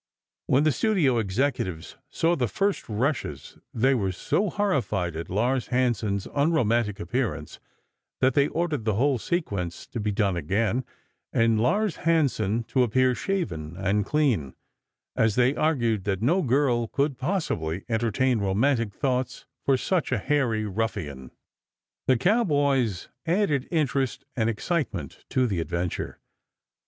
When the studio executives saw the first rushes they were so horrified at Lars Hansen's unromantic appearance that they ordered the whole sequence to be done again and Lars Hansen to appear shaven and clean, as they argued that no girl could possibly entertain romantic thoughts for such a hairy ruffian. The cowboys added interest and excitement to the adventure.